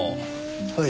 はい。